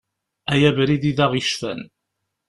Ay abrid i d aɣ-icfan.